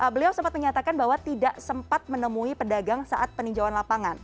beliau sempat menyatakan bahwa tidak sempat menemui pedagang saat peninjauan lapangan